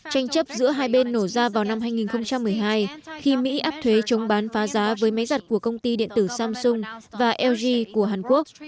tranh chấp giữa hai bên nổ ra vào năm hai nghìn một mươi hai khi mỹ áp thuế chống bán phá giá với máy giặt của công ty điện tử samsung và lg của hàn quốc